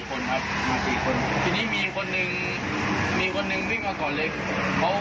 คนครับมา๔คนทีนี้มีคนหนึ่งมีคนหนึ่งวิ่งมาก่อนเลยเขา